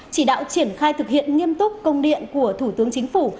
chỉ đạo triển khai thực hiện nghiêm túc công điện của thủ tướng chính phủ